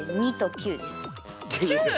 ９。